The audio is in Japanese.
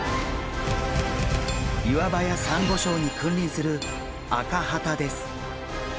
岩場やサンゴ礁に君臨するアカハタです。